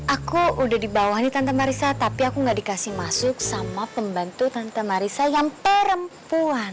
aku udah dibawah nih tante marissa tapi aku gak dikasih masuk sama pembantu tante marissa yang perempuan